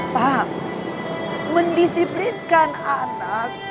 pak mendisiplinkan anak